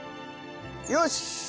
よし！